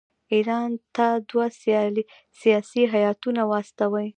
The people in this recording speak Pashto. ایران ته دوه سیاسي هیاتونه واستوي.